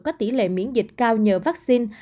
có tỷ lệ miễn dịch cao nhờ vaccine